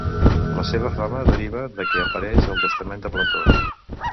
La seva fama deriva de què apareix al testament de Plató.